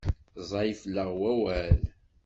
Ẓẓay fell-aɣ wawal.